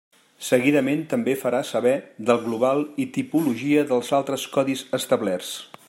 Seguidament també farà saber del global i tipologia dels altres codis establerts.